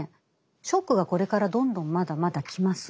ショックがこれからどんどんまだまだ来ます。